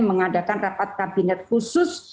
mengadakan rapat kabinet khusus